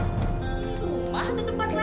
ini rumah tetepan laila